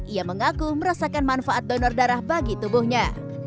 ia mengaku merasakan manfaat donor darah bagi tubuhnya